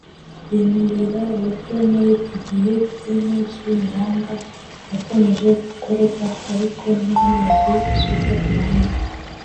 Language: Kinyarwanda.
binubira uburyo muri iki gihe cy’impeshyi imihanda yakomeje gukorwa ariko nta mazi asukwa ku muhanda